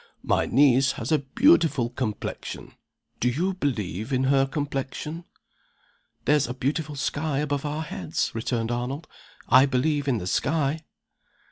"My niece has a beautiful complexion. Do you believe in her complexion?" "There's a beautiful sky above our heads," returned Arnold. "I believe in the sky."